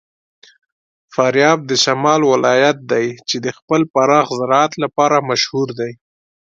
فاریاب د شمال ولایت دی چې د خپل پراخ زراعت لپاره مشهور دی.